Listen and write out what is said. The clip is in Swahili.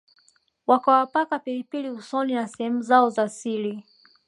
wakawapaka pilipili usoni na sehemu zao za siri